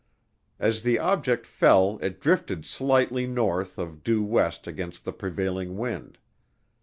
As the object fell it drifted slightly north of due west against the prevailing wind.